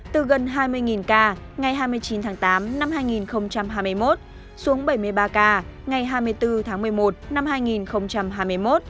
từ gần hai mươi ca ngày hai mươi chín tháng tám năm hai nghìn hai mươi một xuống bảy mươi ba ca ngày hai mươi bốn tháng một mươi một năm hai nghìn hai mươi một